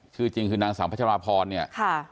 คือจริงคือนางสาวพระชรพรเนี่ย